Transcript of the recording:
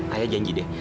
ayah janji deh